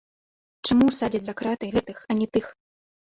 Чаму садзяць за краты гэтых, а не тых?